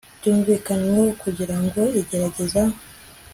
byumvikanyweho kugira ngo igerageza